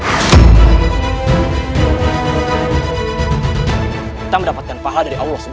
kita mendapatkan pahala dari allah swt